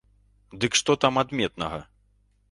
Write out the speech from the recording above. Дык што там адметнага?